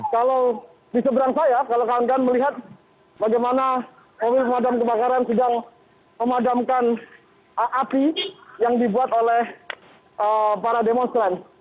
kalau di seberang saya kalau kawan kawan melihat bagaimana mobil pemadam kebakaran sedang memadamkan api yang dibuat oleh para demonstran